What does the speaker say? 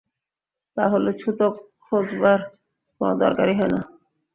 তা হলে ছুতো খোঁজবার কোনো দরকারই হয় না।